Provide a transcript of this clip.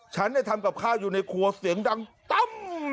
ฉันทำกับข้าวอยู่ในครัวเสียงดังตั้ม